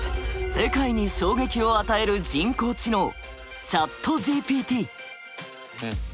世界に衝撃を与える人工知能「ＣｈａｔＧＰＴ」。